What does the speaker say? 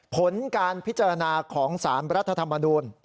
ผลการพิจารณาของสารรัฐธรรมนูล